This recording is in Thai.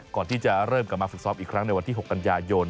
ก่อนที่จะเริ่มกลับมาฝึกซ้อมอีกครั้งในวันที่๖กันยายน